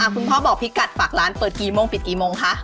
พ่อบอกพี่กัดฝากร้านเปิดกี่โมงปิดกี่โมงคะ